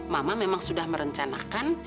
mama memang sudah merencanakan